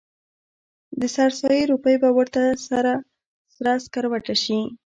د سر سایې روپۍ به ورته سره سکروټه شي.